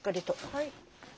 はい。